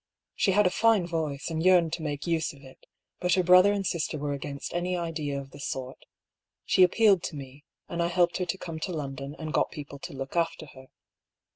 She had a fine voice, and yearned to make use of it; but her brother and sister were against any idea of the sort. She ap pealed to me, and I helped her to come to London, and got people to look after her.